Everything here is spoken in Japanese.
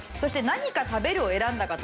「何か食べる」を選んだ方